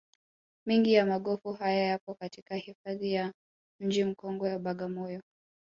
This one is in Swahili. Mengi ya magofu haya yapo katika hifadhi ya mji mkongwe wa Bagamoyo